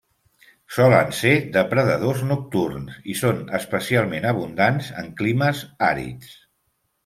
Solen ser depredadors nocturns i són especialment abundants en climes àrids.